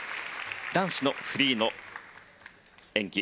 男子のフリーの演技。